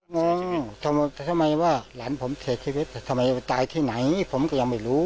งงทำไมว่าหลานผมเสียชีวิตทำไมไปตายที่ไหนผมก็ยังไม่รู้